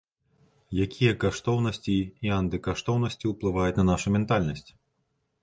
Якія каштоўнасці і антыкаштоўнасці ўплываюць на нашу ментальнасць?